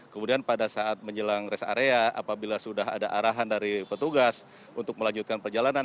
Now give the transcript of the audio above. kemudian pada saat menjelang rest area apabila sudah ada arahan dari petugas untuk melanjutkan perjalanan